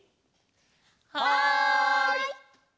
はい！